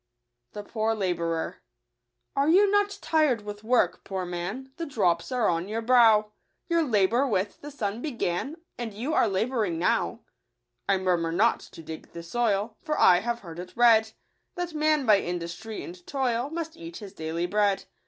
@5* ipoor Xaiioum* " Are you not tir'd with work, poor man ; The drops are on your brow ; Your labour with the sun began, And you are labouring now ?"" I murmur not to dig the soil, For I have heard it read, That man by industry and toil Must eat his daily bread.